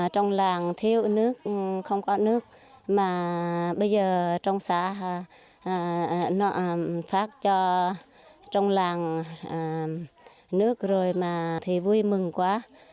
trong làng thiếu nước không có nước mà bây giờ trong xã nó phát cho trong làng nước rồi mà thì vui mừng quá